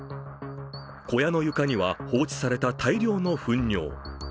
小屋の床には、放置された大量のふん尿。